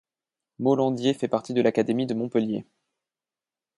Molandier fait partie de l'académie de Montpellier.